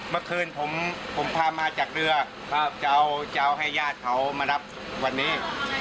เมื่อคืนผมพามาจากเรือจะเอาให้ญาติเขามารับวันนี้